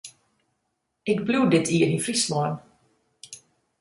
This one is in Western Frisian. Ik bliuw dit jier yn Fryslân.